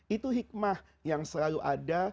itu hikmah yang selalu ada